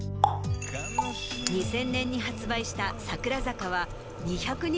２０００年に発売した『桜坂』は。